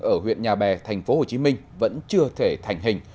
ở huyện nhà bè tp hcm vẫn chưa thể thành hình